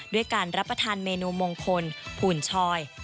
ด้วยการรับประทานเมนูมงคลผูนชอย